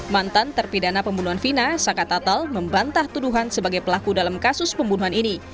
mantan terpidana pembunuhan fina sangka tatal membantah tuduhan sebagai pelaku dalam kasus pembunuhan ini